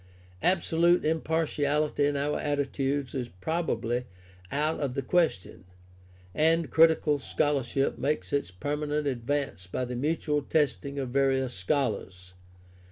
Absolute impartiality in our attitudes is probably out of the question, and critical scholarship makes its permanent advance by the mutual testing of various scholars.